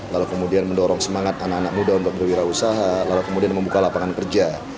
lalu kemudian mendorong semangat anak anak muda untuk berwirausaha lalu kemudian membuka lapangan kerja